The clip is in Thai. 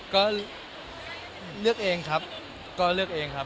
ก็เลือกเองครับก็เลือกเองครับ